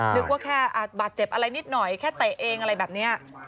นึกว่าแค่อาจบาดเจ็บอะไรนิดหน่อยแค่เตะเองอะไรแบบนี้